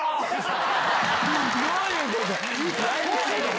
どういうことだよ！